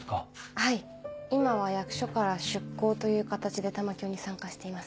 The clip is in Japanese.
はい今は役所から出向という形で玉響に参加しています。